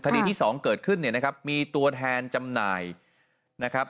ที่สองเกิดขึ้นเนี่ยนะครับมีตัวแทนจำหน่ายนะครับ